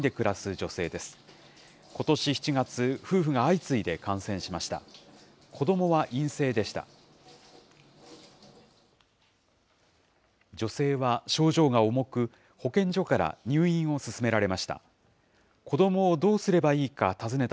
女性は症状が重く、保健所から入院を勧められました。